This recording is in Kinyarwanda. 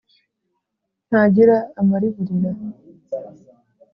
Ntagira amariburira,